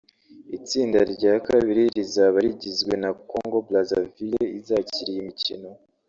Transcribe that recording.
Itsinda rya kabiri rizaba rigizwe na Congo Brazzaville izakira iyo mikino